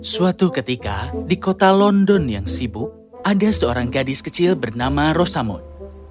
suatu ketika di kota london yang sibuk ada seorang gadis kecil bernama rosamut